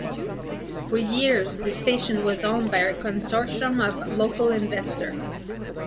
For years, the station was owned by a consortium of local investors.